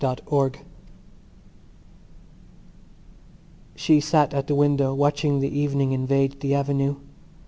EVELINE She sat at the window watching the evening invade the avenue.